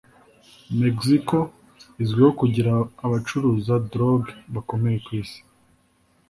Mexico izwiho kugira abacuruza droge bakomeye kwisi